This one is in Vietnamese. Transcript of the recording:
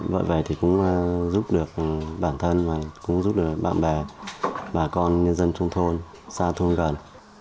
vậy thì cũng giúp được bản thân và cũng giúp được bạn bè bà con nhân dân trong thôn xa thôn gần